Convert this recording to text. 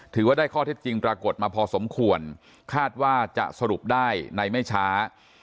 ถือว่าได้ข้อเท็จจริงปรากฏมาพอสมควรคาดว่าจะสรุปได้ในไม่ช้า